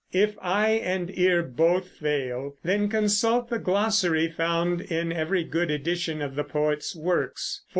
If eye and ear both fail, then consult the glossary found in every good edition of the poet's works.